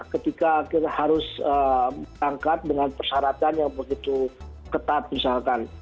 ketika kita harus berangkat dengan persyaratan yang begitu ketat misalkan